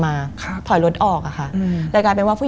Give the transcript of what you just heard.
มันกลายเป็นรูปของคนที่กำลังขโมยคิ้วแล้วก็ร้องไห้อยู่